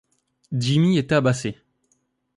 Jimmy est tabassé.